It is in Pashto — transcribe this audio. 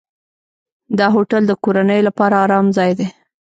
دا هوټل د کورنیو لپاره آرام ځای دی.